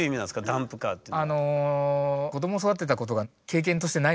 「ダンプカー」っていうのは。